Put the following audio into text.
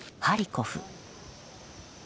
ハリコフ。